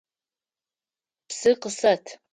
Псы къысэт!